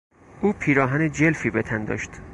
او پیراهن جلفی به تن داشت.